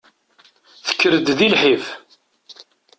Tekker-d di lḥif.